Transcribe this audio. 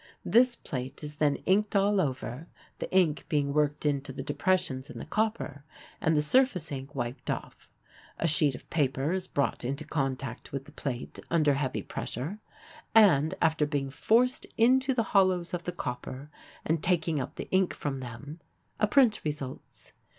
This plate is then inked all over, the ink being worked into the depressions in the copper, and the surface ink wiped off. A sheet of paper is brought into contact with the plate under heavy pressure, and, being forced into the hollows of the copper and taking up the ink from them, a print results.